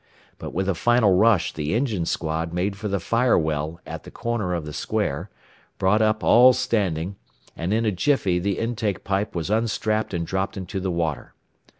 But with a final rush the engine squad made for the fire well at the corner of the square, brought up all standing, and in a jiffy the intake pipe was unstrapped and dropped into the water.